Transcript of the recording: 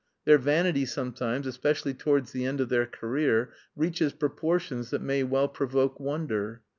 Their vanity sometimes, especially towards the end of their career, reaches proportions that may well provoke wonder.